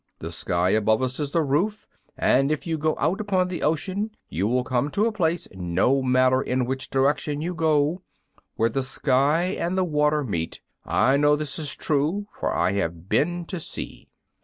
The sky above us is the roof, and if you go out upon the ocean you will come to a place, no matter in which direction you go, where the sky and the water meet. I know this is true, for I have been to sea."